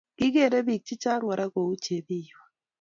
Kikere bik chechang Kora kou chebiywo